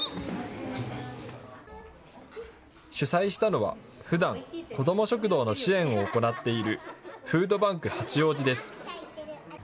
主催したのは、ふだんこども食堂の支援を行っているフードバンク八王子です。